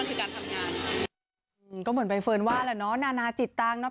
รู้สึกว่าผมแค่ออกมาพูดในความเป็นจริงในทุกคำถาม